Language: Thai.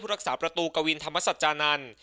รักษาประตูกวินธรรมสัจจานันทร์